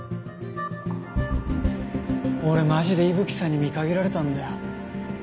俺マジで伊吹さんに見限られたんだよ。